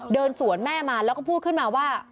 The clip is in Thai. เดินสวนแม่มาแล้วก็พูดขึ้นมาว่า